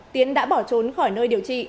tiến đã bỏ trốn khỏi nơi điều trị